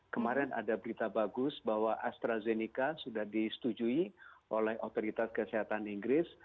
kemarin ada berita bagus bahwa astrazeneca sudah disetujui oleh otoritas kesehatan inggris